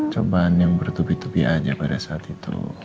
cobaan yang bertubi tubi aja pada saat itu